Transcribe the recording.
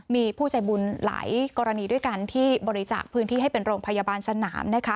มีผู้ใจบุญหลายกรณีด้วยกันที่บริจาคพื้นที่ให้เป็นโรงพยาบาลสนามนะคะ